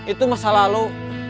itu masa lalu